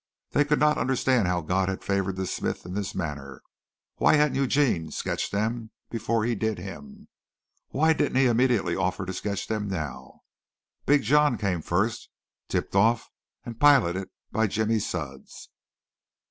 They could not understand how God had favored the smith in this manner. Why hadn't Eugene sketched them before he did him? Why didn't he immediately offer to sketch them now? Big John came first, tipped off and piloted by Jimmy Sudds.